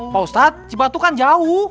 pak ustadz cibatu kan jauh